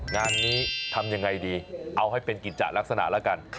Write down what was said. งานนี้ทำยังไงดีเอาให้เป็นกิจจะลักษณะแล้วกัน